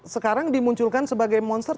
sekarang dimunculkan sebagai monster